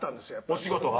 お仕事が？